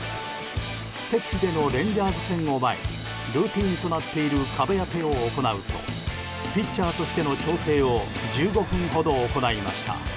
敵地でのレンジャーズ戦を前にルーティンとなっている壁当てを行うとピッチャーとしての調整を１５分ほど行いました。